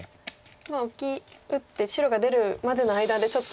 まあオキ打って白が出るまでの間でちょっと。